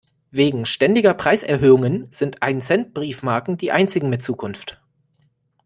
Wegen ständiger Preiserhöhungen sind Ein-Cent-Briefmarken die einzigen mit Zukunft.